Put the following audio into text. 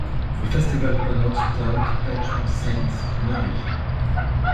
The festival honors the town's patron saint, Mary.